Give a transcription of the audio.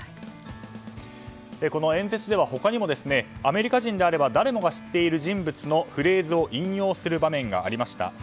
演説では他にもアメリカ人なら誰もが知っている人物のフレーズを引用する場面がありました。